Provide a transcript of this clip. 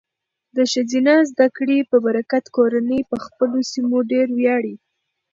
د ښځینه زده کړې په برکت، کورنۍ په خپلو سیمو ډیر ویاړي.